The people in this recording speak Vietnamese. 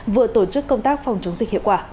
vừa tổ chức công tác phòng chống dịch hiệu quả